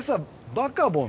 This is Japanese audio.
『バカボン』。